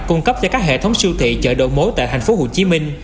cung cấp cho các hệ thống siêu thị chợ độ mối tại tp hcm